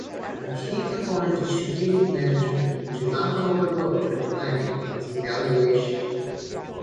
A key component to strategic management which is often overlooked when planning is evaluation.